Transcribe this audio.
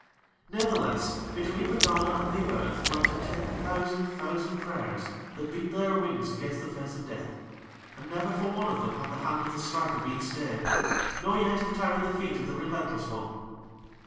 "Natheless between Pegana and the Earth flutter ten thousand thousand prayers that beat their wings against the face of Death, and never for one of them hath the hand of the Striker been stayed, nor yet have tarried the feet of the Relentless One.